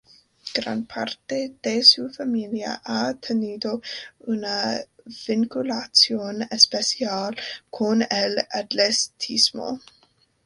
Gran parte de su familia ha tenido una vinculación especial con el atletismo.